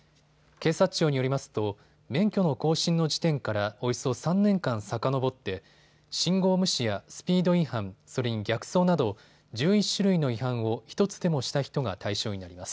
警察庁によりますと免許の更新の時点からおよそ３年間さかのぼって信号無視やスピード違反それに逆走など、１１種類の違反を１つでもした人が対象になります。